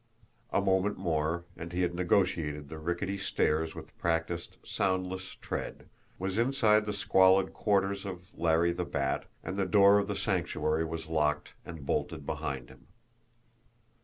A moment more, and he had negotiated the rickety stairs with practiced, soundless tread, was inside the squalid quarters of Larry the Bat, and the door of the Sanctuary was locked and bolted behind him.